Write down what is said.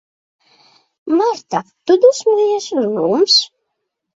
Marta, tu dusmojies uz mums?